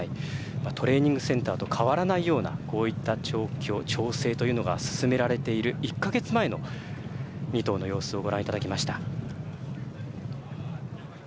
トレーニング・センターと変わらないようなこういった調整というのが進められている１か月前の２頭の様子をご覧いただきました。